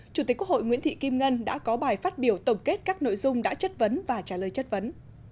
chủ tịch quốc hội nguyễn thị kim ngân đã có bài phát biểu tổng kết các nội dung đã chất vấn và trả lời chất vấn